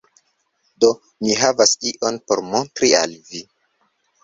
Do, mi havas ion por montri al vi